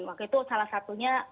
waktu itu salah satunya